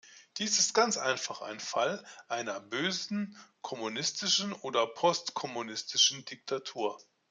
Dies ist ganz einfach ein Fall einer bösen kommunistischen oder postkommunistischen Diktatur.